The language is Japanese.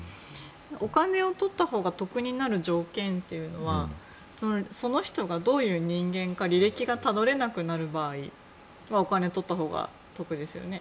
お金をとったほうが特になる条件というのはその人が、どういう人間か履歴がたどれなくなる場合はお金をとったほうがお得ですよね。